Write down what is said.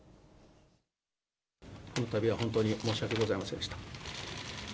このたびは本当に申し訳ございませんでした。